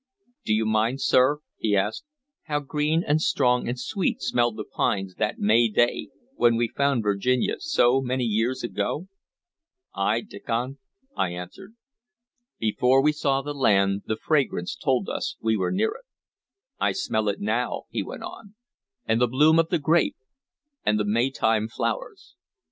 "Do you mind, sir," he asked, "how green and strong and sweet smelled the pines that May day, when we found Virginia, so many years ago?" "Ay, Diccon," I answered. "Before we saw the land, the fragrance told us we were near it." "I smell it now," he went on, "and the bloom of the grape, and the May time flowers.